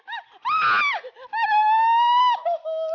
gawat ini kalau jatuh